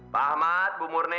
pak ahmad bu murni